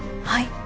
はい。